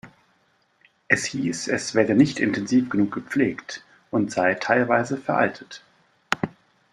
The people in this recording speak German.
Es hieß, es werde nicht intensiv genug gepflegt und sei teilweise veraltet.